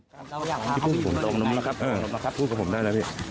พี่ผู้ผู้ตรงตรงนี้ครับเออพูดกับผมได้เลยพี่